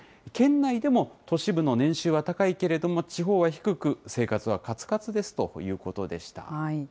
県内でも都市部の年収は高いけれども、地方は低く、生活はかつかつですということでした。